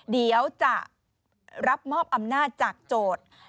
เดี๋ยวจะรับมอบอำนาจจากโจทย์